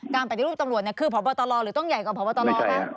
ปฏิรูปตำรวจคือพบตรหรือต้องใหญ่กว่าพบตรคะ